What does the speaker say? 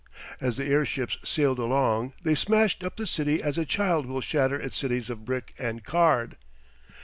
As the airships sailed along they smashed up the city as a child will shatter its cities of brick and card.